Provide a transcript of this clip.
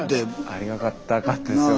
ありがたかったですよ